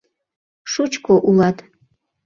Шучко улат...